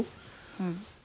うん。